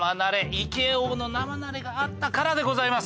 イケ王の生ナレがあったからでございます。